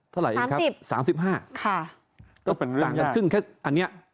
๓๐ครับ๓๕ครับต่างกันครึ่งแค่อันนี้